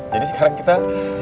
jadi sekarang kita